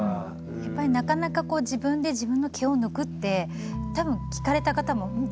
やっぱりなかなかこう自分で自分の毛を抜くってたぶん聞かれた方もん？